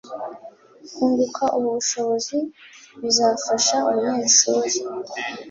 kunguka ubu bushobozi bizafasha umunyeshuri